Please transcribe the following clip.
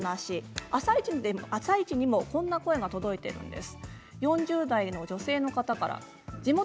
「あさイチ」のアンケートでもこんな声が届いているんです。